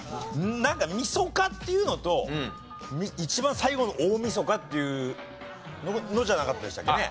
なんか晦日っていうのと一番最後の大晦日っていうのじゃなかったでしたっけね？